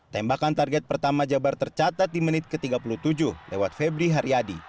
tembakan target pertama jabar tercatat di menit ke tiga puluh tujuh lewat febri haryadi